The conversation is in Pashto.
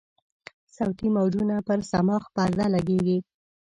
صوتي موجونه پر صماخ پرده لګیږي.